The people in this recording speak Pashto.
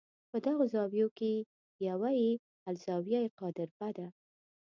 په دغو زاویو کې یوه یې الزاویة القادربه ده.